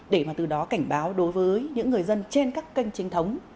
để từ đó cảnh báo đối với những người dân trên các kênh trinh thống